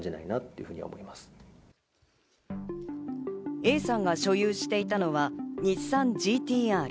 Ａさんが所有していたのは、日産ＧＴ−Ｒ。